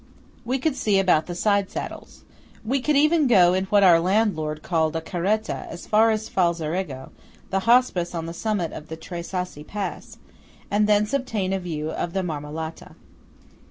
We could see about the side saddles. We could even go in what our landlord called a "caretta" as far as Falzarego, the hospice on the summit of the Tre Sassi pass, and thence obtain a view of the Marmolata.